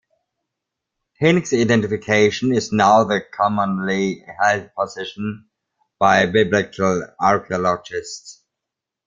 Hincks' identification is now the commonly held position by biblical archaeologists.